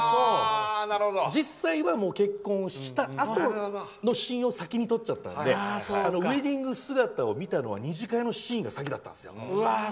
実際は結婚したあとのシーンを先に撮っちゃったのでウエディング姿を見たのは二次会のシーンが先だったんですよ。